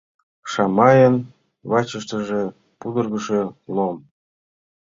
Шамайын вачыштыже пудыргышо лом.